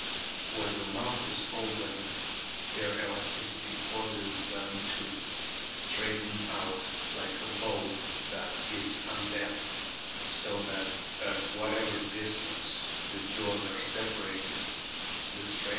When the mouth is opened their elasticity causes them to straighten out like a bow that is unbent, so that at whatever distance the jaws are separated the strainer ' Essays on Museums, etc.